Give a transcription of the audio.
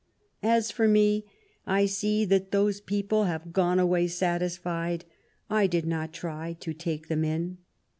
As for me, I see that those people have gone away satisfied. I did not try to take them in."